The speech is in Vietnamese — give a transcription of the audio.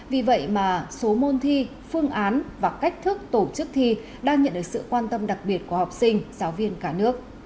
vì vậy mà số môn thi phương án và cách thức tổ chức thi đang nhận được sự quan tâm đặc biệt của học sinh giáo viên cả nước